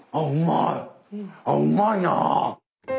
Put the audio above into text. あうまいな！